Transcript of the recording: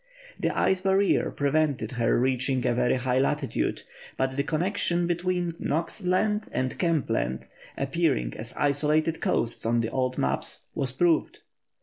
The ice barrier prevented her reaching a very high latitude, but the connection between Knox Land and Kemp Land, appearing as isolated coasts on the old maps, was proved.